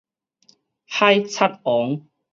海賊王